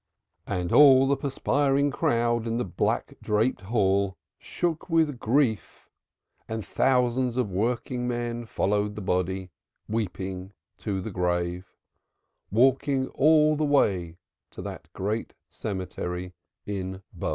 '" And all the perspiring crowd in the black draped hall shook with grief, and thousands of working men followed the body, weeping, to the grave, walking all the way to the great cemetery in Bow.